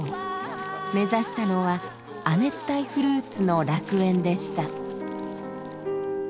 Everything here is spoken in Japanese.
目指したのは亜熱帯フルーツの楽園でした。